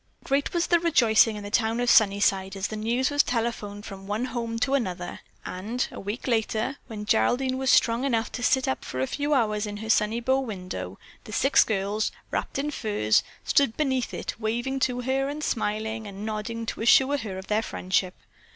Great was the rejoicing in the town of Sunnyside as the news was telephoned from one home to another, and a week later, when Geraldine was strong enough to sit up for a few hours in her sunny bow window, the six girls, wrapped in furs, stood beneath it waving to her and smiling and nodding to assure her of their friendship.